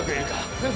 先生！